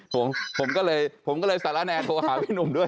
ผมผมก็เลยผมก็เลยสาระแนนโทรหาพี่หนุ่มด้วย